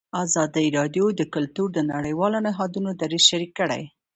ازادي راډیو د کلتور د نړیوالو نهادونو دریځ شریک کړی.